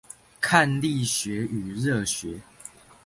看力學與熱學